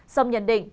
xong nhận định